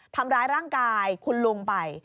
ทำร้ายร่างกายคุณลุงไป